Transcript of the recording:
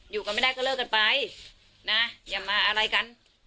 อยู่กันไม่ได้ก็เลิกกันไปนะอย่ามาอะไรกัน